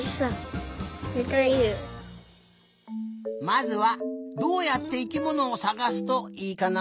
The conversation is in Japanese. まずはどうやって生きものをさがすといいかな？